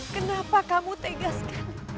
kenapa kamu tegaskan